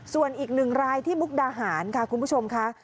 ส่วนอีก๑รายที่มุกดาหารคุณผู้ชมคะ